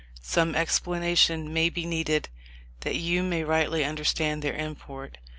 Some explanation may be needed that you may rightly understand their import.